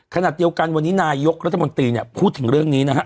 ขณะเดียวกันวันนี้นายกรัฐมนตรีเนี่ยพูดถึงเรื่องนี้นะครับ